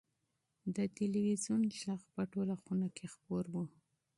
د تلویزون غږ په ټوله خونه کې خپور و.